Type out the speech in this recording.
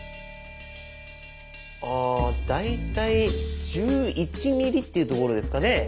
あ大体１１ｍｍっていうところですかね。